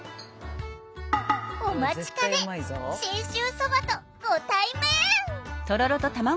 お待ちかね信州そばとご対面！